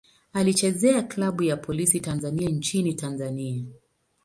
Anachezea klabu ya Polisi Tanzania nchini Tanzania.